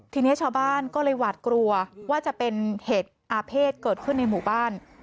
ทีนี้ชาวบ้านก็เลยหวาดกลัวว่าจะเป็นเหตุอาเภษเกิดขึ้นในหมู่บ้าน